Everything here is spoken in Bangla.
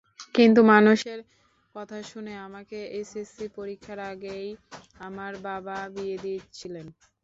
কিন্তু মানুষের কথা শুনে আমাকে এসএসসি পরীক্ষার আগেই আমার বাবা বিয়ে দিচ্ছিলেন।